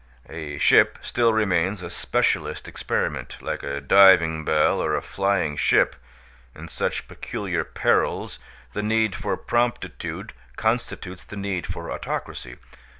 A ship still remains a specialist experiment, like a diving bell or a flying ship: in such peculiar perils the need for promptitude constitutes the need for autocracy.